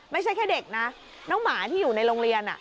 ไม่ใช่แค่เด็กนะน้องหมาที่อยู่ในโรงเรียน